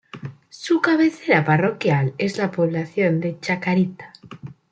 Su cabecera parroquial es la población de Chacarita.